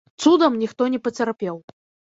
Цудам ніхто не пацярпеў.